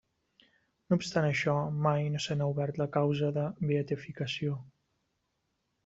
No obstant això, mai no se n'ha obert la causa de beatificació.